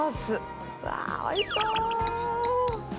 わあ、おいしそう！